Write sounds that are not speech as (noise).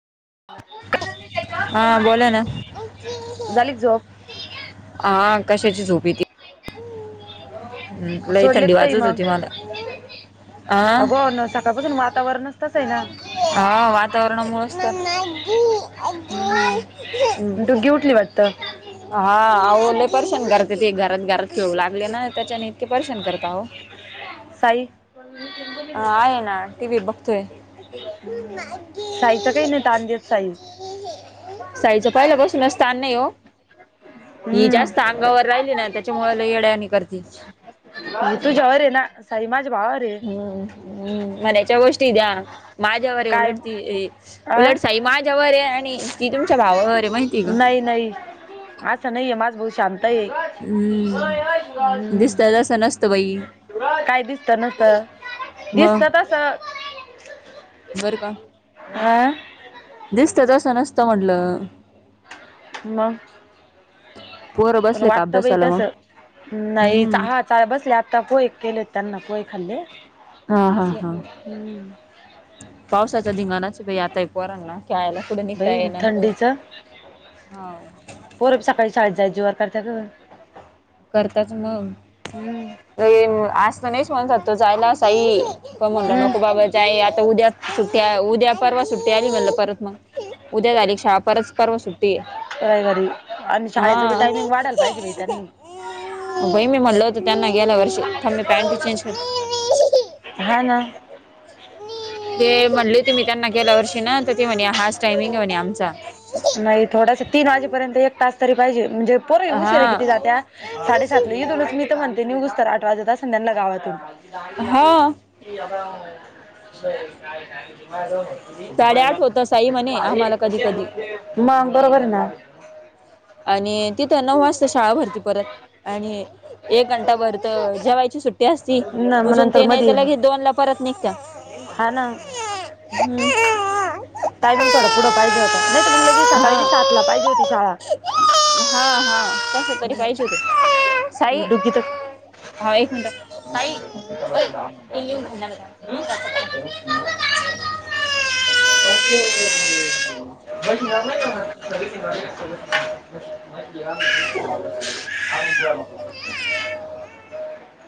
झाली हा बोला ना का झोप? हा, कशाची झोप येतीय हम्, लई सोडलेत थंडी काही वाजत मग होती मला. हा अगो, सकाळपासून वातावरणच तस आहे ना. हा वातावरणामुळेच तर डुगी उठली वाटतं. हा, आहो लै परेशान करते ती, घरात घरात खेळू लागली ना, त्याच्याने इतके परेशान करता हो. साई आ, आहे ना, टिव्ही बघतोय. साईच काही नाही, तान देत साई साईचं पाहिल्या पासूनच तान नाही हो, हि हम्म जास्त अंगावर राहिली ना, त्याच्यामुळे लै येड्यानी करती. तूझ्या वर आहे ना, साई माझ्या भावावर हाय. हम्म, हम्म, मन्याच्या गोष्टीय ह्या माझ्यावर आहे काय उलट ती, अ उलट साई माझ्यावर आहे आणि ती तुमच्या भावावर आहे माहितीय का. ते नाही ते नाहीय माझं भाऊ शांत हम्म हाय, दिसत हम्म तसं नसतं बाई काय दिसत नस, दिसत तसं बर का हं दिसत तसं नसतं, म्हटलं मग पोरं पण बसले का वाटतं बाई अभ्यासाला मग तसं, नाही हिचा हम्म हात साहेब बसले आता, पोहे केले त्यांना, पोहे खाल्ले. हा हा बसले हा, हम्म पावसाचा धिंगणाच बाई आता, एक पोरांना, खेळायला. कुड निघता बाई येईना बहीर, थंडीचं हा पोरं बी सकाळी शाळेत जाय जीवावर करत्यात (inaudible) करत्यात मग हम्म आज तर नाहीच म्हणतात तो जायला, सई पण म्हणलो हम्म नको बाबा ताई, आता उद्या सुट्टी, उद्या परवा सुट्टी आली म्हणलं परत मग उद्या झाली की शाळा, परच पर्वा सुट्टी आहे. राहील घरी आणि शाळेचं बी हा टायमिंग वाढायला पाहिजे बाई त्यांनी. बाई मी म्हणल होत त्यांना गेल्या वर्षी, थांब मी पॅन्ट चेंज करते. हा ना ते म्हंटली हूती मी त्यांना गेल्या वर्षी ना तर ते म्हणे टाइमिंग म्हणे आमचा नाही थोडासा तीन वाजेपर्यंत, एक तास तरी पाहिजे, म्हणजे पोरं उशीरा हा किती जात्यात. साडेसातला इथुनच मी तर म्हणते निघुस्तर आठ वाजत असेन त्यांना गावातून. हा साडेआठ (unintelligible) होतं साई म्हणे आम्हाला कधी कधी मग बरोबर ना. आणि तिथं नऊ वाजता शाळा भरती परत आणि एक घंटा भर तर जेवायची सुट्टी ती असती न मग अजून नंतर ते नाही मधी तर लगेच दोन ला परत निघत. हा ना. टायमिंग थोडा पुढ पाहिजे होता नाहीतर मग लगेच सकाळी हा बी सात ला पाहिजे होती शाळा. हा हा तस डुगी तरी पाहिजे होत तर साई. (unintelligible) (inaudible) (unintelligible) (unintelligible)